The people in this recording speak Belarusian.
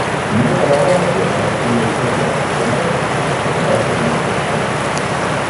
Мне падавалася, пра што я і казаў, што мала прычын спадзявацца на нешта станоўчае.